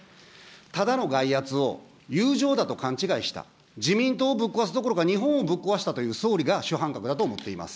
ただの外圧を友情だと勘違いした、自民党をぶっ壊すどころか、日本をぶっ壊したという総理が主犯格だと思っています。